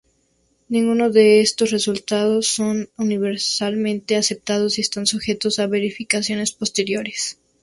Ninguno de estos resultados son universalmente aceptados y están sujetos a verificaciones posteriores.